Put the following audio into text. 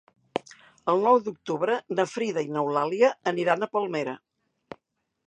El nou d'octubre na Frida i n'Eulàlia aniran a Palmera.